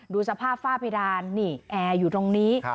ดูสภาพฝ้าเพดานนี่แอร์อยู่ตรงนี้